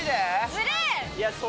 ずるい！